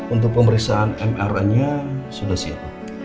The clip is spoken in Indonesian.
untuk pemeriksaan mr nya sudah siap